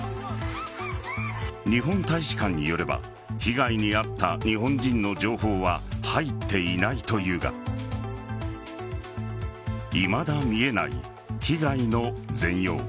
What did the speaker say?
日本大使館によれば被害に遭った日本人の情報は入っていないというがいまだ見えない被害の全容。